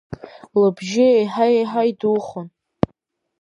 Лыбжьы еиҳа-еиҳа идухон.